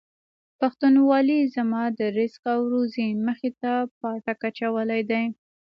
پښتونولۍ زما د رزق او روزۍ مخې ته پاټک اچولی دی.